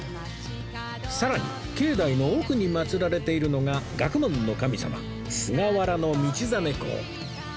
さらに境内の奥に祀られているのが学問の神様菅原道真公